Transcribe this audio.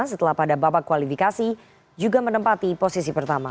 setelah pada babak kualifikasi juga menempati posisi pertama